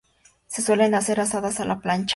Se suelen hacer asadas a la plancha.